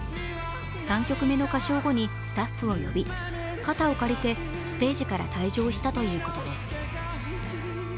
３曲目の歌唱後にスタッフを呼び、肩を借りてステージから退場したということです。